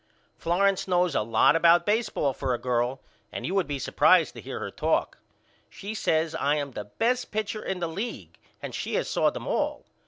Florence knows a lot about baseball for a girl and you would be supprised to hear her talk. She says I am the best pitcher in the league and she has saw them all.